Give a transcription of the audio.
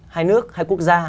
hai nước hai quốc gia